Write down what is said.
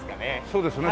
そうですね。